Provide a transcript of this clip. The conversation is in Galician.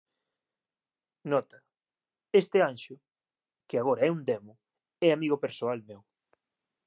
Nota: Este anxo, que agora é un demo, é amigo persoal meu.